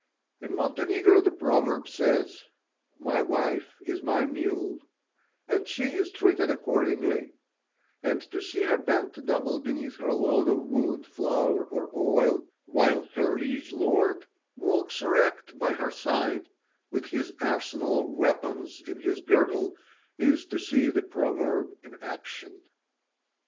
In Montenegro the proverb says, "My wife is my mule," and she is treated accordingly; and to see her bent double beneath her load of wood, flour, or oil, while her liege lord walks erect by her side, with his arsenal of weapons in his girdle, is to see the proverb in action.